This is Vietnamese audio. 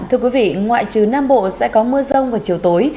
thưa quý vị ngoại trừ nam bộ sẽ có mưa rông vào chiều tối